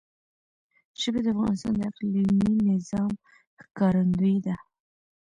ژبې د افغانستان د اقلیمي نظام ښکارندوی ده.